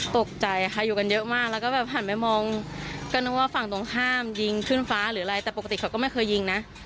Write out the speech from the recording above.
ตกใจค่ะอยู่กันเยอะมากแล้วก็แบบหันไปมองก็นึกว่าฝั่งตรงข้ามยิงขึ้นฟ้าหรืออะไรแต่ปกติเขาก็ไม่เคยยิงนะ